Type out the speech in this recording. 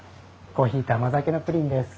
コーヒーと甘酒のプリンです。